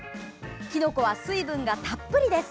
きのこは水分がたっぷりです。